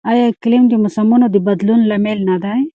آیا اقلیم د موسمونو د بدلون لامل نه دی؟